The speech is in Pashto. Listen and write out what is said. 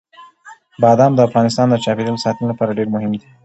بادام د افغانستان د چاپیریال ساتنې لپاره ډېر مهم دي.